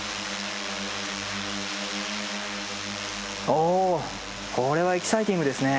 おおこれはエキサイティングですね。